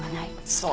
そう。